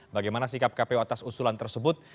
bagaimana sikap kpu atas usulan tersebut